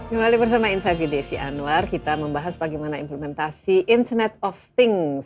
kembali bersama insak gede si anwar kita membahas bagaimana implementasi internet of things